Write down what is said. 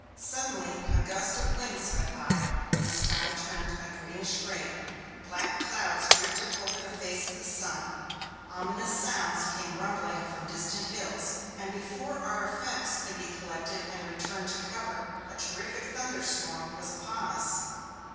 Suddenly a gust of wind swept by; the sky turned a greenish gray; black clouds drifted over the face of the sun; ominous sounds came rumbling from distant hills, and before our effects could be collected and returned to cover, a terrific thunderstorm was upon us.